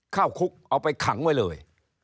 เข้าคุกเอาไปขังไว้เลย